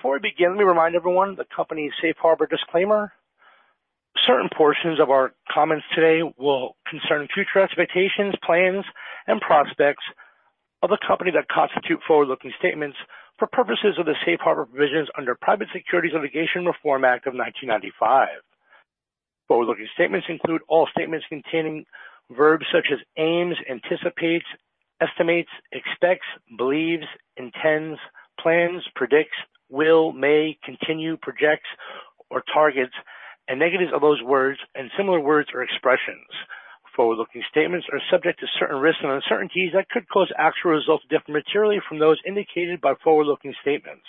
...Before we begin, let me remind everyone of the company's safe harbor disclaimer. Certain portions of our comments today will concern future expectations, plans, and prospects of the company that constitute forward-looking statements for purposes of the safe harbor provisions under Private Securities Litigation Reform Act of 1995. Forward-looking statements include all statements containing verbs such as aims, anticipates, estimates, expects, believes, intends, plans, predicts, will, may, continue, projects, or targets, and negatives of those words, and similar words or expressions. Forward-looking statements are subject to certain risks and uncertainties that could cause actual results to differ materially from those indicated by forward-looking statements.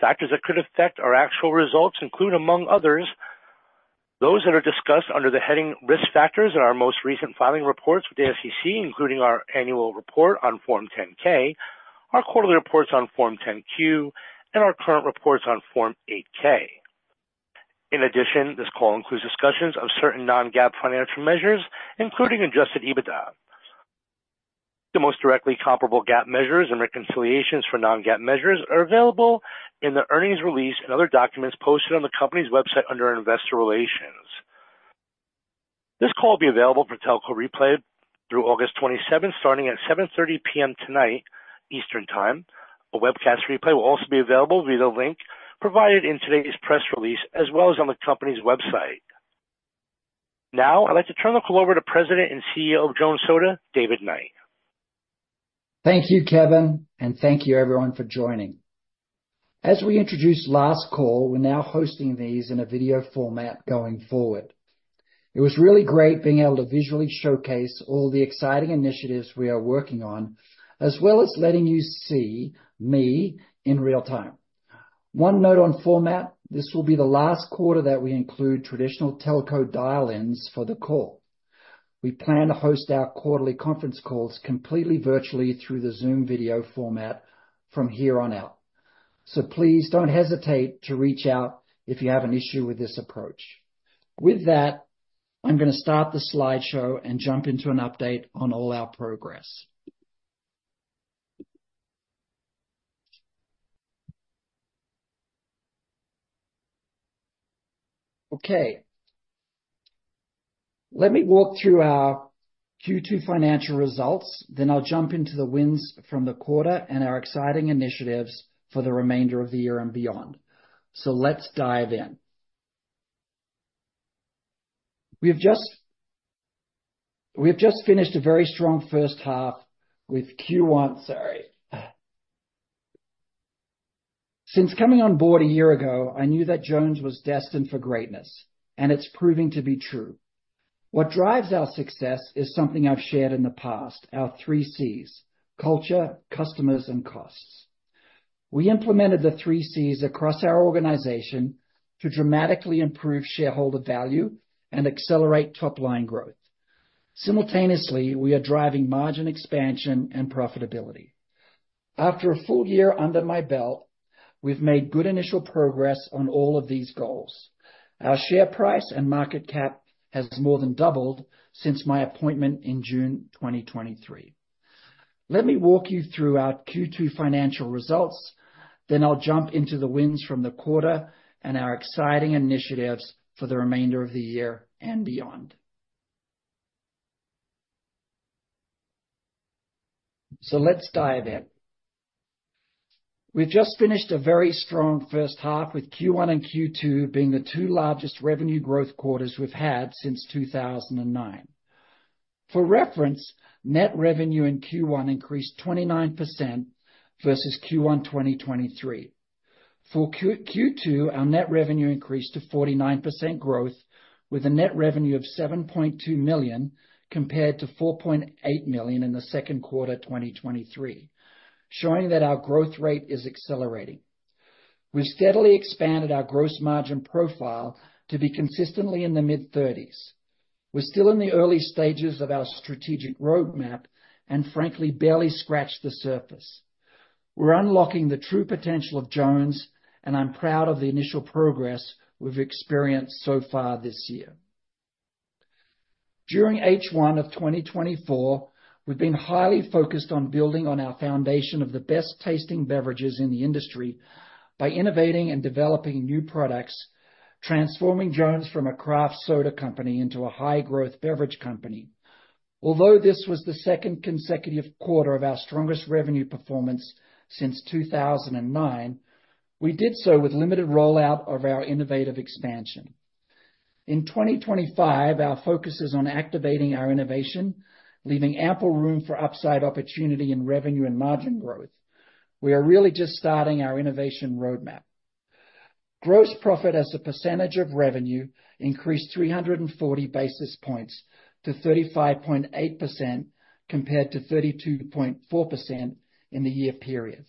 Factors that could affect our actual results include, among others, those that are discussed under the heading Risk Factors in our most recent filing reports with the SEC, including our annual report on Form 10-K, our quarterly reports on Form 10-Q, and our current reports on Form 8-K. In addition, this call includes discussions of certain non-GAAP financial measures, including adjusted EBITDA. The most directly comparable GAAP measures and reconciliations for non-GAAP measures are available in the earnings release and other documents posted on the company's website under investor relations. This call will be available for telco replay through August 27th, starting at 7:30 P.M. tonight, Eastern Time. A webcast replay will also be available via the link provided in today's press release, as well as on the company's website. Now, I'd like to turn the call over to President and CEO of Jones Soda, David Knight. Thank you, Kevin, and thank you everyone for joining. As we introduced last call, we're now hosting these in a video format going forward. It was really great being able to visually showcase all the exciting initiatives we are working on, as well as letting you see me in real time. One note on format, this will be the last quarter that we include traditional telco dial-ins for the call. We plan to host our quarterly conference calls completely virtually through the Zoom video format from here on out, so please don't hesitate to reach out if you have an issue with this approach. With that, I'm gonna start the slideshow and jump into an update on all our progress. Okay. Let me walk through our Q2 financial results, then I'll jump into the wins from the quarter and our exciting initiatives for the remainder of the year and beyond. So let's dive in. We've just finished a very strong first half with Q1—sorry. Since coming on board a year ago, I knew that Jones was destined for greatness, and it's proving to be true. What drives our success is something I've shared in the past, our three Cs: culture, customers, and costs. We implemented the three Cs across our organization to dramatically improve shareholder value and accelerate top-line growth. Simultaneously, we are driving margin expansion and profitability. After a full year under my belt, we've made good initial progress on all of these goals. Our share price and market cap has more than doubled since my appointment in June 2023. Let me walk you through our Q2 financial results, then I'll jump into the wins from the quarter and our exciting initiatives for the remainder of the year and beyond. So let's dive in. We've just finished a very strong first half, with Q1 and Q2 being the two largest revenue growth quarters we've had since 2009. For reference, net revenue in Q1 increased 29% versus Q1 2023. For Q2, our net revenue increased to 49% growth, with a net revenue of $7.2 million, compared to $4.8 million in the second quarter of 2023, showing that our growth rate is accelerating. We've steadily expanded our gross margin profile to be consistently in the mid-30s. We're still in the early stages of our strategic roadmap and frankly, barely scratched the surface. We're unlocking the true potential of Jones, and I'm proud of the initial progress we've experienced so far this year. During H1 of 2024, we've been highly focused on building on our foundation of the best-tasting beverages in the industry by innovating and developing new products, transforming Jones from a craft soda company into a high-growth beverage company. Although this was the second consecutive quarter of our strongest revenue performance since 2009, we did so with limited rollout of our innovative expansion. In 2025, our focus is on activating our innovation, leaving ample room for upside opportunity in revenue and margin growth. We are really just starting our innovation roadmap. Gross profit as a percentage of revenue increased 340 basis points to 35.8%, compared to 32.4% in the year period.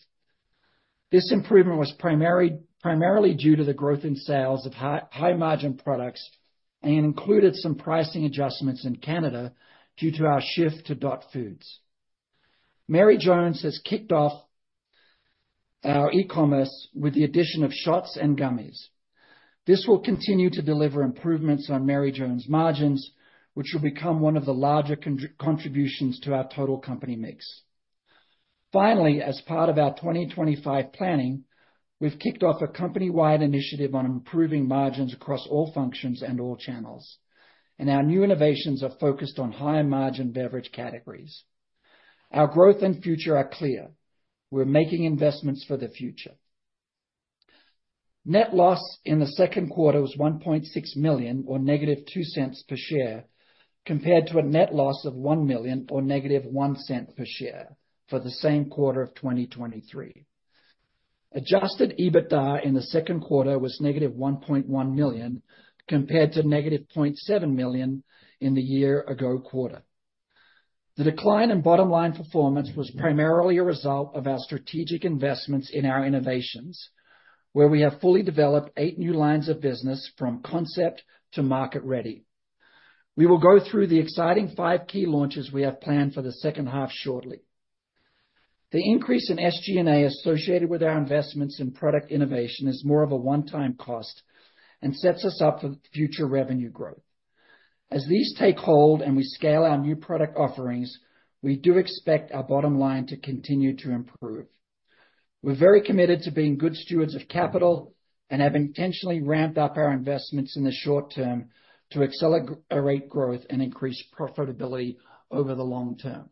This improvement was primarily due to the growth in sales of high-margin products and included some pricing adjustments in Canada due to our shift to Dot Foods. Mary Jones has kicked off our e-commerce with the addition of shots and gummies.... This will continue to deliver improvements on Mary Jones margins, which will become one of the larger contributions to our total company mix. Finally, as part of our 2025 planning, we've kicked off a company-wide initiative on improving margins across all functions and all channels, and our new innovations are focused on higher-margin beverage categories. Our growth and future are clear. We're making investments for the future. Net loss in the second quarter was $1.6 million, or -$0.02 per share, compared to a net loss of $1 million, or -$0.01 per share, for the same quarter of 2023. Adjusted EBITDA in the second quarter was negative $1.1 million, compared to negative $0.7 million in the year-ago quarter. The decline in bottom-line performance was primarily a result of our strategic investments in our innovations, where we have fully developed eight new lines of business, from concept to market ready. We will go through the exciting five key launches we have planned for the second half shortly. The increase in SG&A associated with our investments in product innovation is more of a one-time cost and sets us up for future revenue growth. As these take hold and we scale our new product offerings, we do expect our bottom line to continue to improve. We're very committed to being good stewards of capital and have intentionally ramped up our investments in the short term to accelerate growth and increase profitability over the long term.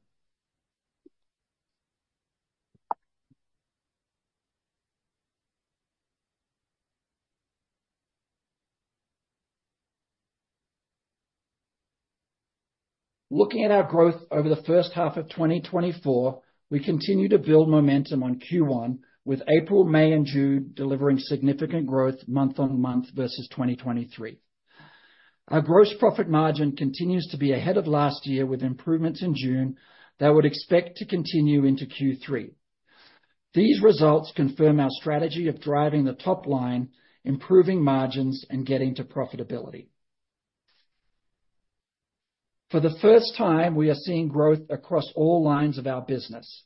Looking at our growth over the first half of 2024, we continue to build momentum on Q1, with April, May, and June delivering significant growth month-on-month versus 2023. Our gross profit margin continues to be ahead of last year, with improvements in June that would expect to continue into Q3. These results confirm our strategy of driving the top line, improving margins, and getting to profitability. For the first time, we are seeing growth across all lines of our business.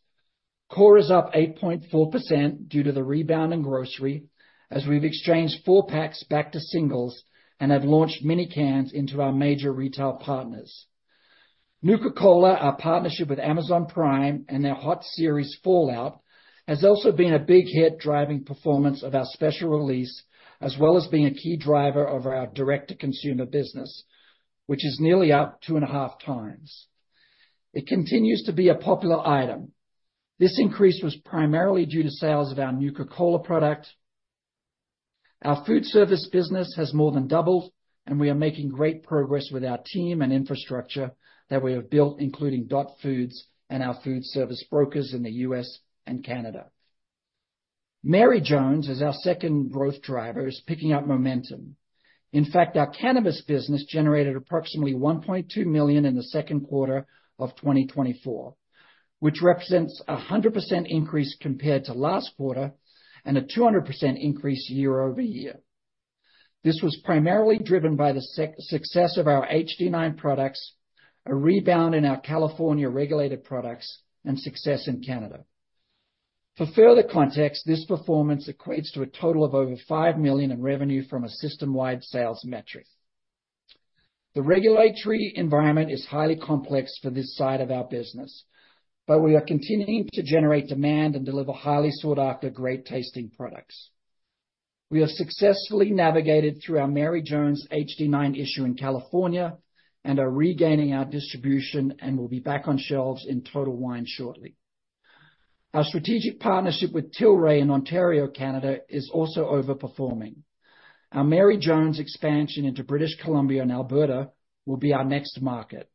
Core is up 8.4% due to the rebound in grocery, as we've exchanged 4 packs back to singles and have launched mini cans into our major retail partners. Nuka-Cola, our partnership with Amazon Prime and their hot series, Fallout, has also been a big hit, driving performance of our special release, as well as being a key driver of our direct-to-consumer business, which is nearly up 2.5x. It continues to be a popular item. This increase was primarily due to sales of our Nuka-Cola product. Our food service business has more than doubled, and we are making great progress with our team and infrastructure that we have built, including Dot Foods and our food service brokers in the U.S. and Canada. Mary Jones, as our second growth driver, is picking up momentum. In fact, our cannabis business generated approximately $1.2 million in the second quarter of 2024, which represents a 100% increase compared to last quarter and a 200% increase year-over-year. This was primarily driven by the success of our HD9 products, a rebound in our California regulated products, and success in Canada. For further context, this performance equates to a total of over $5 million in revenue from a system-wide sales metric. The regulatory environment is highly complex for this side of our business, but we are continuing to generate demand and deliver highly sought after, great-tasting products. We have successfully navigated through our Mary Jones HD9 issue in California and are regaining our distribution and will be back on shelves in Total Wine shortly. Our strategic partnership with Tilray in Ontario, Canada, is also overperforming. Our Mary Jones expansion into British Columbia and Alberta will be our next market.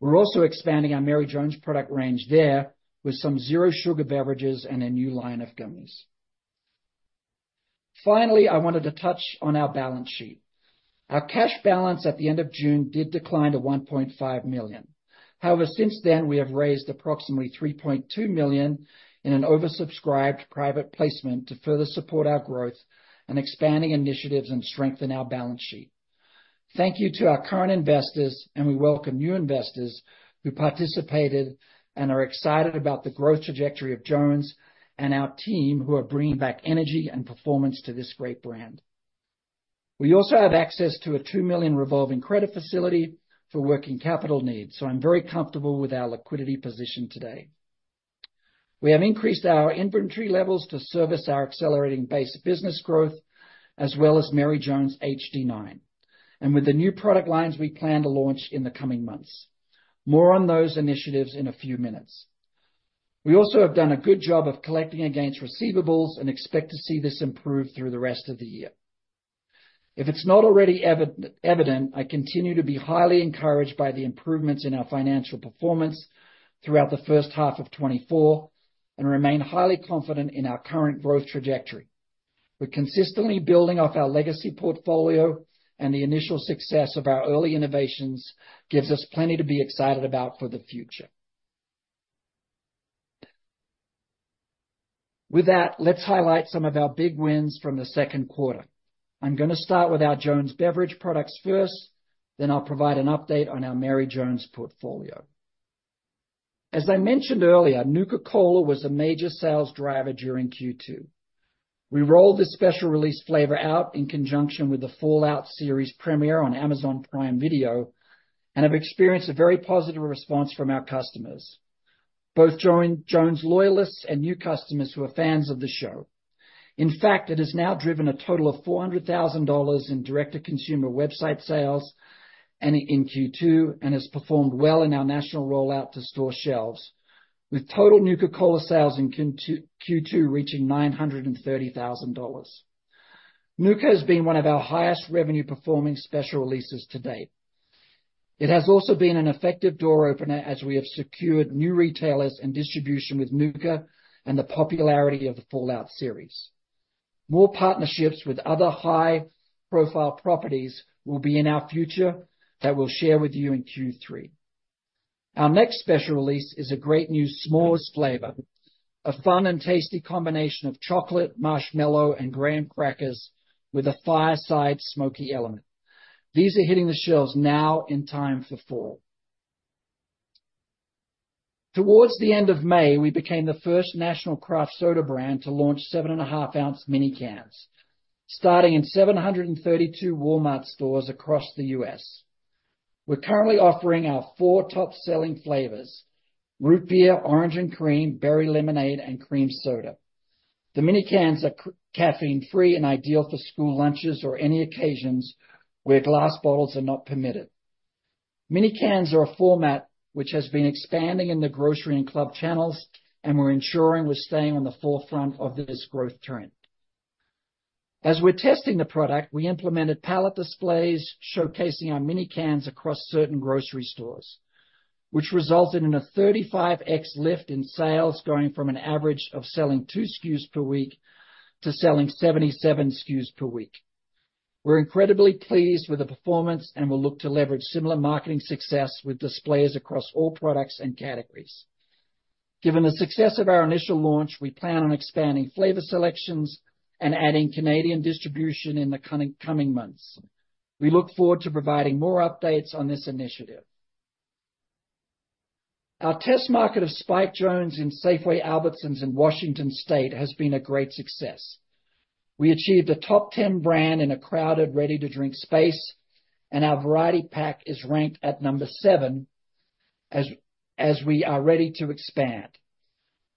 We're also expanding our Mary Jones product range there with some zero-sugar beverages and a new line of gummies. Finally, I wanted to touch on our balance sheet. Our cash balance at the end of June did decline to $1.5 million. However, since then, we have raised approximately $3.2 million in an oversubscribed private placement to further support our growth and expanding initiatives and strengthen our balance sheet. Thank you to our current investors, and we welcome new investors who participated and are excited about the growth trajectory of Jones and our team, who are bringing back energy and performance to this great brand. We also have access to a $2 million revolving credit facility for working capital needs, so I'm very comfortable with our liquidity position today. We have increased our inventory levels to service our accelerating base business growth, as well as Mary Jones HD9, and with the new product lines we plan to launch in the coming months. More on those initiatives in a few minutes. We also have done a good job of collecting against receivables and expect to see this improve through the rest of the year. If it's not already evident, I continue to be highly encouraged by the improvements in our financial performance throughout the first half of 2024 and remain highly confident in our current growth trajectory. We're consistently building off our legacy portfolio, and the initial success of our early innovations gives us plenty to be excited about for the future. With that, let's highlight some of our big wins from the second quarter. I'm going to start with our Jones beverage products first, then I'll provide an update on our Mary Jones portfolio. As I mentioned earlier, Nuka-Cola was a major sales driver during Q2. We rolled this special release flavor out in conjunction with the Fallout series premiere on Amazon Prime Video, and have experienced a very positive response from our customers, both Jones loyalists and new customers who are fans of the show. In fact, it has now driven a total of $400,000 in direct-to-consumer website sales in Q2, and has performed well in our national rollout to store shelves, with total Nuka-Cola sales in Q2 reaching $930,000. Nuka has been one of our highest revenue performing special releases to date. It has also been an effective door opener as we have secured new retailers and distribution with Nuka and the popularity of the Fallout series. More partnerships with other high-profile properties will be in our future that we'll share with you in Q3. Our next special release is a great new s'mores flavor, a fun and tasty combination of chocolate, marshmallow, and graham crackers with a fireside smoky element. These are hitting the shelves now in time for fall. Towards the end of May, we became the first national craft soda brand to launch 7.5 ounce mini cans, starting in 732 Walmart stores across the U.S. We're currently offering our four top-selling flavors: root beer, orange and cream, berry lemonade, and cream soda. The mini cans are caffeine-free and ideal for school lunches or any occasions where glass bottles are not permitted. Mini cans are a format which has been expanding in the grocery and club channels, and we're ensuring we're staying on the forefront of this growth trend. As we're testing the product, we implemented pallet displays showcasing our mini cans across certain grocery stores, which resulted in a 35x lift in sales, going from an average of selling two SKUs per week to selling 77 SKUs per week. We're incredibly pleased with the performance and will look to leverage similar marketing success with displays across all products and categories. Given the success of our initial launch, we plan on expanding flavor selections and adding Canadian distribution in the coming months. We look forward to providing more updates on this initiative. Our test market of Spiked Jones in Safeway, Albertsons in Washington State has been a great success. We achieved a top 10 brand in a crowded, ready-to-drink space, and our variety pack is ranked at number seven as we are ready to expand.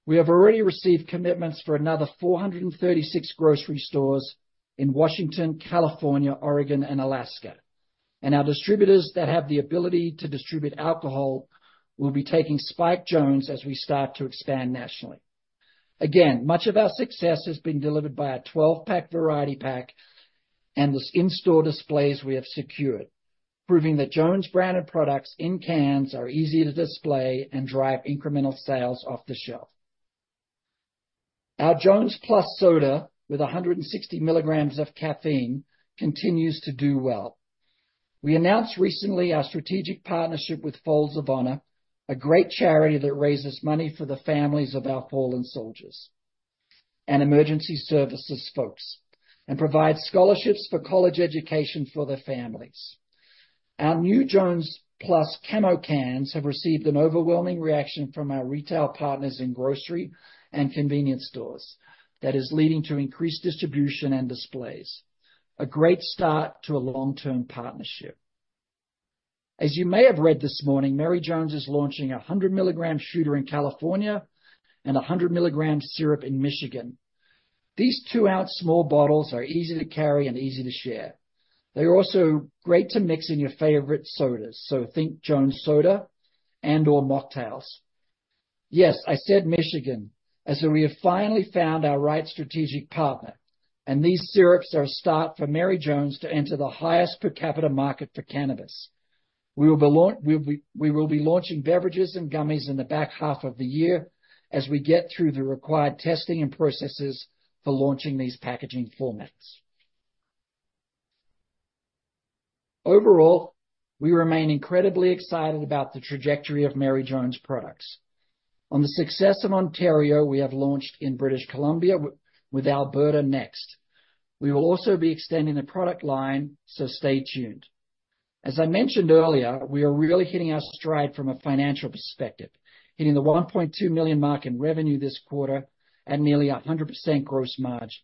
We have already received commitments for another 436 grocery stores in Washington, California, Oregon, and Alaska, and our distributors that have the ability to distribute alcohol will be taking Spiked Jones as we start to expand nationally. Again, much of our success has been delivered by our 12-pack variety pack and the in-store displays we have secured, proving that Jones branded products in cans are easy to display and drive incremental sales off the shelf. Our Jones Plus soda, with 160 milligrams of caffeine, continues to do well. We announced recently our strategic partnership with Folds of Honor, a great charity that raises money for the families of our fallen soldiers and emergency services folks, and provides scholarships for college education for their families. Our new Jones Plus camo cans have received an overwhelming reaction from our retail partners in grocery and convenience stores that is leading to increased distribution and displays. A great start to a long-term partnership. As you may have read this morning, Mary Jones is launching 100 milligrams shooter in California and 100 milligrams syrup in Michigan. These 2 ounce small bottles are easy to carry and easy to share. They are also great to mix in your favorite sodas, so think Jones Soda and/or mocktails. Yes, I said Michigan, as we have finally found our right strategic partner, and these syrups are a start for Mary Jones to enter the highest per capita market for cannabis. We will be launching beverages and gummies in the back half of the year as we get through the required testing and processes for launching these packaging formats. Overall, we remain incredibly excited about the trajectory of Mary Jones products. On the success of Ontario, we have launched in British Columbia, with Alberta next. We will also be extending the product line, so stay tuned. As I mentioned earlier, we are really hitting our stride from a financial perspective, hitting the $1.2 million mark in revenue this quarter and nearly 100% gross margin.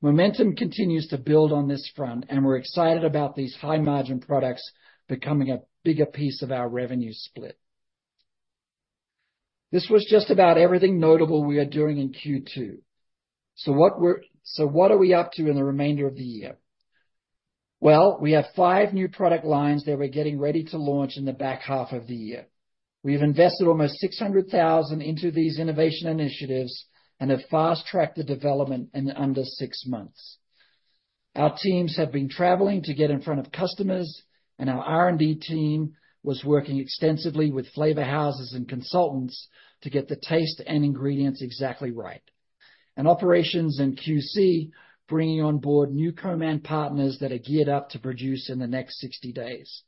Momentum continues to build on this front, and we're excited about these high-margin products becoming a bigger piece of our revenue split. This was just about everything notable we are doing in Q2. So what are we up to in the remainder of the year? Well, we have five new product lines that we're getting ready to launch in the back half of the year. We've invested almost $600,000 into these innovation initiatives and have fast-tracked the development in under six months. Our teams have been traveling to get in front of customers, and our R&D team was working extensively with flavor houses and consultants to get the taste and ingredients exactly right. And operations in QC, bringing on board new co-man partners that are geared up to produce in the next 60 days.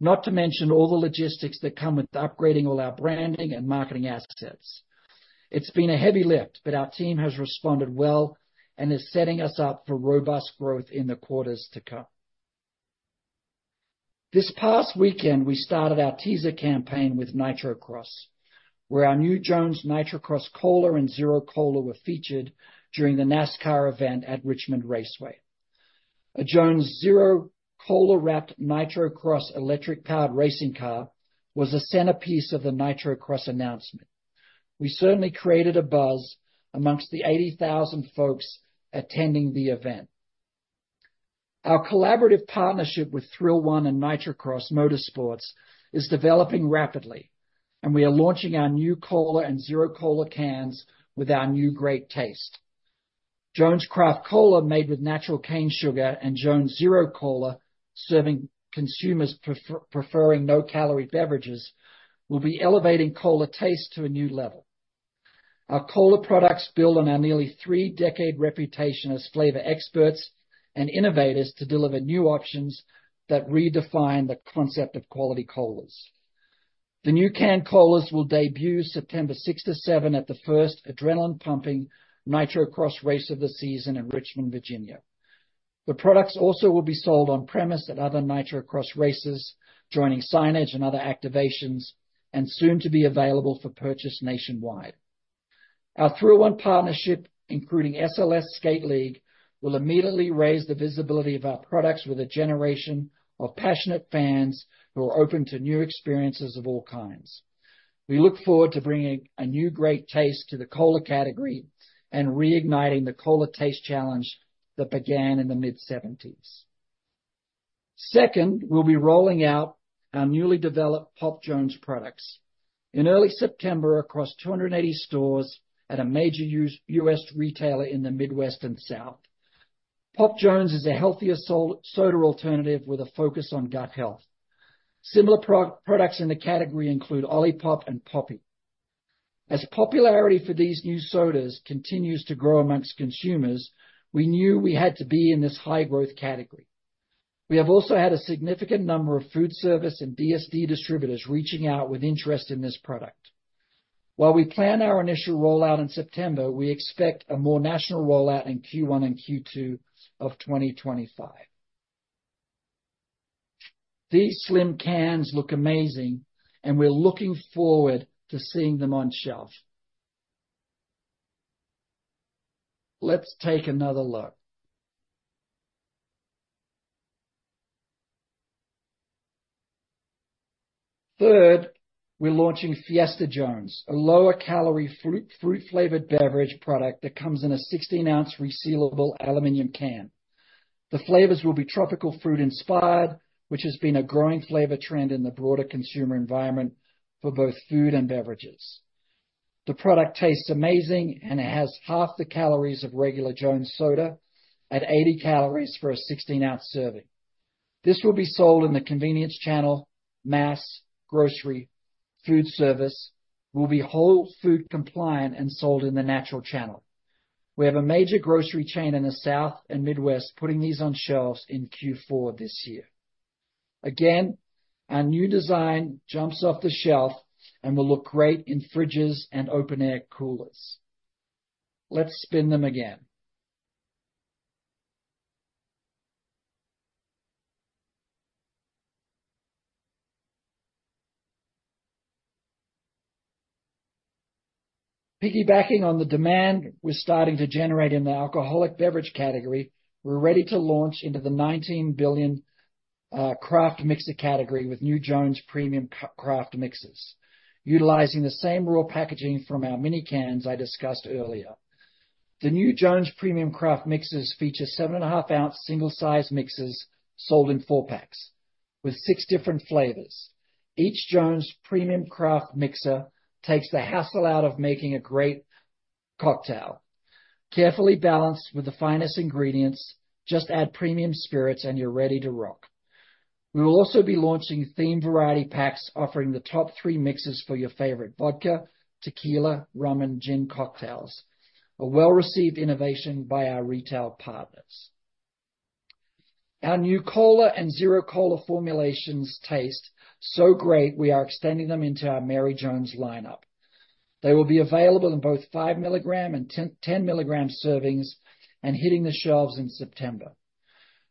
Not to mention all the logistics that come with upgrading all our branding and marketing assets. It's been a heavy lift, but our team has responded well and is setting us up for robust growth in the quarters to come. This past weekend, we started our teaser campaign with Nitrocross, where our new Jones Nitrocross Cola and Zero Cola were featured during the NASCAR event at Richmond Raceway. A Jones Zero Cola wrapped Nitrocross electric powered racing car was the centerpiece of the Nitrocross announcement. We certainly created a buzz amongst the 80,000 folks attending the event. Our collaborative partnership with Thrill One and Nitrocross Motorsports is developing rapidly, and we are launching our new Cola and Zero Cola cans with our new great taste. Jones Craft Cola, made with natural cane sugar, and Jones Zero Cola, serving consumers preferring no-calorie beverages, will be elevating cola taste to a new level. Our Cola products build on our nearly three-decade reputation as flavor experts and innovators to deliver new options that redefine the concept of quality colas. The new canned colas will debut September 6th-7th at the first adrenaline-pumping Nitrocross race of the season in Richmond, Virginia. The products also will be sold on premise at other Nitrocross races, joining signage and other activations, and soon to be available for purchase nationwide. Our Thrill One partnership, including SLS Skate League, will immediately raise the visibility of our products with a generation of passionate fans who are open to new experiences of all kinds. We look forward to bringing a new great taste to the cola category and reigniting the cola taste challenge that began in the mid-1970s. Second, we'll be rolling out our newly developed Pop Jones products in early September across 280 stores at a major U.S. retailer in the Midwest and South. Pop Jones is a healthier soda alternative with a focus on gut health. Similar products in the category include OLIPOP and Poppi. As popularity for these new sodas continues to grow among consumers, we knew we had to be in this high-growth category. We have also had a significant number of food service and DSD distributors reaching out with interest in this product. While we plan our initial rollout in September, we expect a more national rollout in Q1 and Q2 of 2025. These slim cans look amazing, and we're looking forward to seeing them on shelf. Let's take another look. Third, we're launching Fiesta Jones, a lower-calorie fruit-flavored beverage product that comes in a 16 ounce resealable aluminum can. The flavors will be tropical fruit-inspired, which has been a growing flavor trend in the broader consumer environment for both food and beverages. The product tastes amazing and has half the calories of regular Jones Soda at 80 calories for a 16 ounce serving. This will be sold in the convenience channel, mass, grocery, food service, will be whole food compliant and sold in the natural channel. We have a major grocery chain in the South and Midwest, putting these on shelves in Q4 this year. Again, our new design jumps off the shelf and will look great in fridges and open-air coolers. Let's spin them again. Piggybacking on the demand we're starting to generate in the alcoholic beverage category, we're ready to launch into the $19 billion craft mixer category with new Jones Premium Craft Mixers. Utilizing the same raw packaging from our mini cans I discussed earlier, the new Jones Premium Craft Mixers feature 7.5 ounce single-size mixers sold in four packs with six different flavors. Each Jones Premium Craft Mixer takes the hassle out of making a great cocktail. Carefully balanced with the finest ingredients, just add premium spirits and you're ready to rock. We will also be launching themed variety packs, offering the top three mixes for your favorite vodka, tequila, rum and gin cocktails, a well-received innovation by our retail partners. Our new Cola and Zero Cola formulations taste so great, we are extending them into our Mary Jones lineup. They will be available in both 5 milligram and 10 milligram servings and hitting the shelves in September.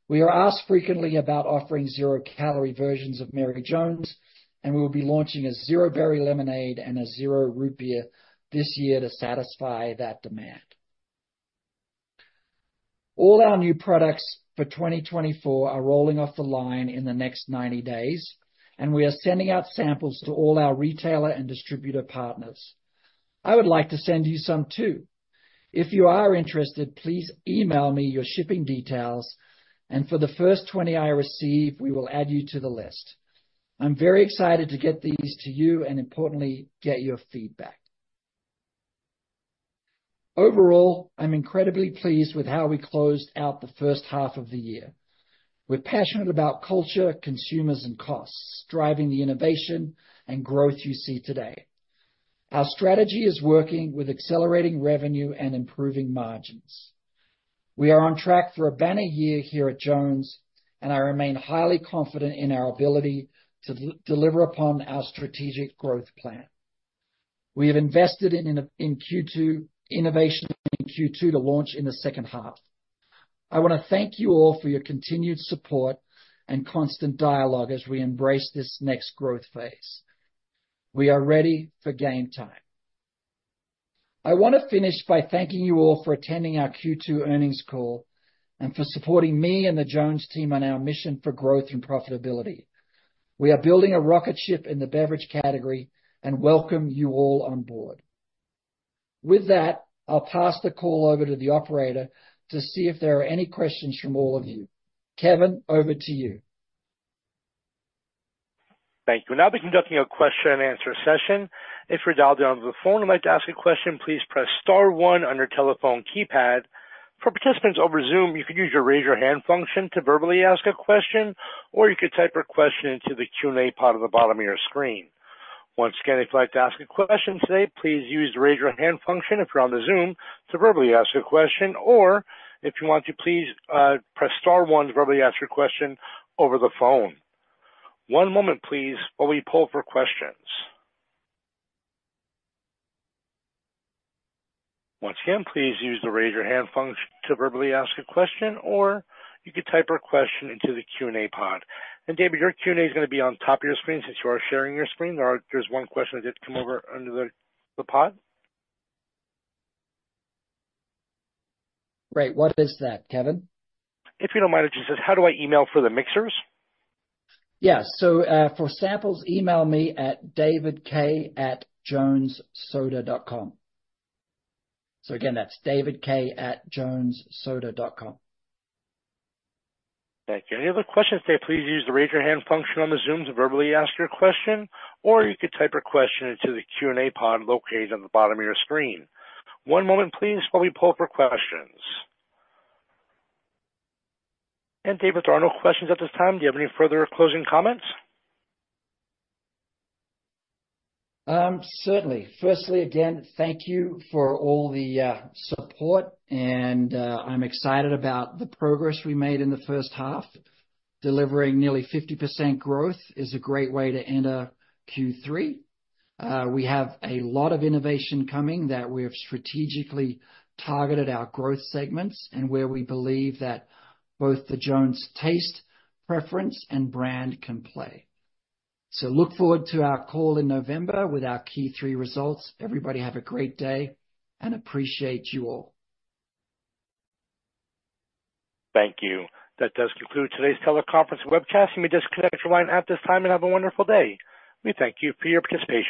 We are asked frequently about offering zero-calorie versions of Mary Jones, and we will be launching a Zero Berry Lemonade and a Zero Root Beer this year to satisfy that demand. All our new products for 2024 are rolling off the line in the next 90 days, and we are sending out samples to all our retailer and distributor partners. I would like to send you some, too. If you are interested, please email me your shipping details, and for the first 20 I receive, we will add you to the list. I'm very excited to get these to you and importantly, get your feedback. Overall, I'm incredibly pleased with how we closed out the first half of the year. We're passionate about culture, consumers, and costs, driving the innovation and growth you see today. Our strategy is working with accelerating revenue and improving margins. We are on track for a banner year here at Jones, and I remain highly confident in our ability to deliver upon our strategic growth plan. We have invested in Q2 innovation in Q2 to launch in the second half. I want to thank you all for your continued support and constant dialogue as we embrace this next growth phase. We are ready for game time. I want to finish by thanking you all for attending our Q2 earnings call and for supporting me and the Jones team on our mission for growth and profitability. We are building a rocket ship in the beverage category and welcome you all on board. With that, I'll pass the call over to the operator to see if there are any questions from all of you. Kevin, over to you. Thank you. We'll now be conducting a question-and-answer session. If you're dialed in on the phone and would like to ask a question, please press star one on your telephone keypad. For participants over Zoom, you can use your Raise Your Hand function to verbally ask a question, or you can type your question into the Q&A pod on the bottom of your screen. Once again, if you'd like to ask a question today, please use the Raise Your Hand function if you're on the Zoom to verbally ask your question, or if you want to, please, press star one to verbally ask your question over the phone. One moment, please, while we poll for questions. Once again, please use the Raise Your Hand function to verbally ask a question, or you can type your question into the Q&A pod. David, your Q&A is gonna be on top of your screen since you are sharing your screen. There is, there's one question that did come over under the pod. Right. What is that, Kevin? If you don't mind, it just says, "How do I email for the mixers? Yeah. So, for samples, email me at davidk@jonessoda.com. Again, that's davidk@jonessoda.com. Thank you. Any other questions today, please use the Raise Your Hand function on the Zoom to verbally ask your question, or you can type your question into the Q&A pod located on the bottom of your screen. One moment, please, while we poll for questions. And David, there are no questions at this time. Do you have any further closing comments? Certainly. Firstly, again, thank you for all the support and I'm excited about the progress we made in the first half. Delivering nearly 50% growth is a great way to end Q3. We have a lot of innovation coming that we have strategically targeted our growth segments and where we believe that both the Jones taste, preference, and brand can play. So look forward to our call in November with our Q3 results. Everybody, have a great day, and appreciate you all. Thank you. That does conclude today's teleconference webcast. You may disconnect your line at this time and have a wonderful day. We thank you for your participation.